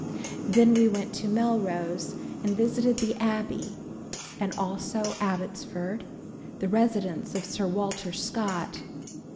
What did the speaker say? Then we went to Melrose and visited the Abbey and also Abbotsford, the residence of Sir Walter Scott.